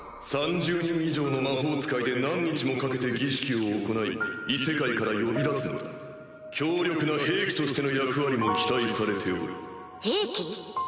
３０人以上の魔法使いで何日もかけて儀式を行い異世界から呼び出すのだ強力な兵器としての役割も期待されておる兵器？